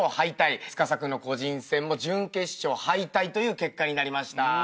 司君の個人戦も準決勝敗退という結果になりました。